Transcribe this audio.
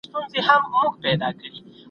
او ددې امتناع مقصد عمومي صلاح او فلاح وي